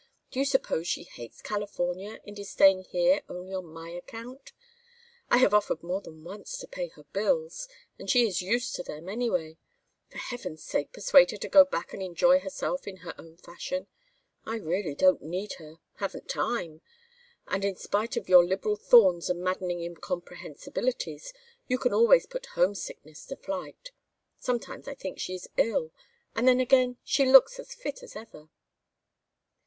Do you suppose she hates California and is staying here only on my account? I have offered more than once to pay her bills; and she is used to them, anyway. For heaven's sake persuade her to go back and enjoy herself in her own fashion. I really don't need her haven't time. And in spite of your liberal thorns and maddening incomprehensibilities, you can always put homesickness to flight. Sometimes I think she is ill, and then again she looks as fit as ever."